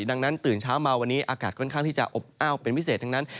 ดังนั้นตื่นเช้ามาวันนี้อากาศค่อนข้างที่จะอบอ้าวเป็นพิเศษทั้งนั้น